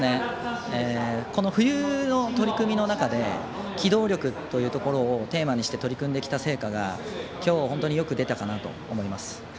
この冬の取り組みの中で機動力というところをテーマとして取り組んできた成果がきょう本当によく出たと思います。